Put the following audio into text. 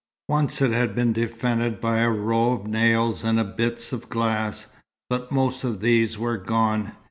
Once it had been defended by a row of nails and bits of glass, but most of these were gone.